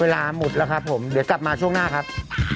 เวลาหมดแล้วครับผมเดี๋ยวกลับมาช่วงหน้าครับ